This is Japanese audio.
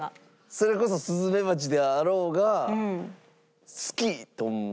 それこそスズメバチであろうが好きと思う？